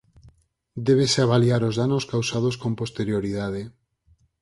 Débese avaliar os danos causados con posterioridade.